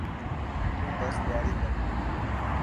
تون بس تياري ڪر.